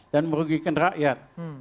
dan merugikan rakyat